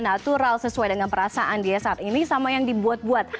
natural sesuai dengan perasaan dia saat ini sama yang dibuat buat